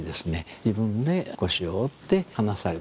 自分で腰を折って話される。